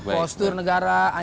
postur negara ancaman negara